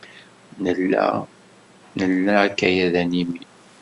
Nella nla akayad animi.